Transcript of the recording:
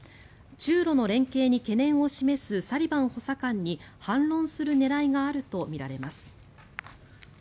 中ロの連携に懸念を示すサリバン補佐官に反論する狙いがあるとみられます。